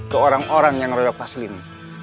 ke orang orang yang roda taslim